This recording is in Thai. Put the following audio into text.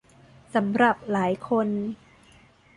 สำหรับหลายคน